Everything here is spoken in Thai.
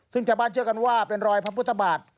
ซึ่งชาวบ้านเชื่อกันว่าเป็นรอยพระพุทธบาท